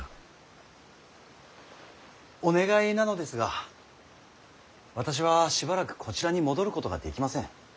お願いなのですが私はしばらくこちらに戻ることができません。